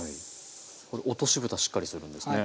これ落としぶたしっかりするんですね。